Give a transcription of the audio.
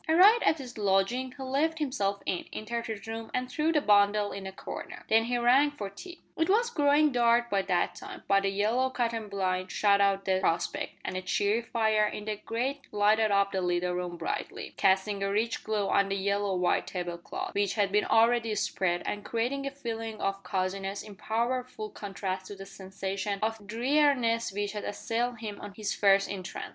Arrived at his lodging he let himself in, entered his room, and threw the bundle in a corner. Then he rang for tea. It was growing dark by that time, but a yellow cotton blind shut out the prospect, and a cheery fire in the grate lighted up the little room brightly, casting a rich glow on the yellow white table cloth, which had been already spread, and creating a feeling of coziness in powerful contrast to the sensation of dreariness which had assailed him on his first entrance.